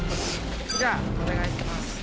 じゃあお願いします。